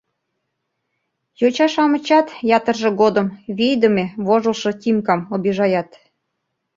Йоча-шамычат ятырже годым вийдыме вожылшо Тимкам обижаят.